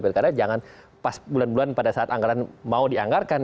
karena jangan pas bulan bulan pada saat anggaran mau dianggarkan